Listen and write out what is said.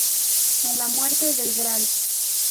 A la muerte del Gral.